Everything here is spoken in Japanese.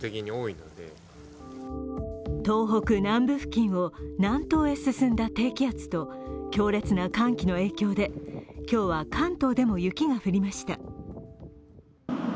東北南部付近を南東へ進んだ低気圧と強烈な寒気の影響で今日は関東でも雪が降りました。